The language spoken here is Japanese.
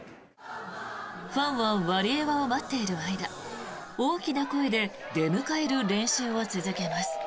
ファンはワリエワを待っている間大きな声で出迎える練習を続けます。